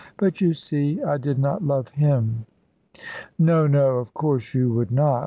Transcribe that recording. But, you see, I did not love him." "No, no! Of course you would not.